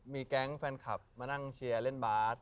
มีแก๊งแฟนคลับมานั่งเชียร์เล่นบาส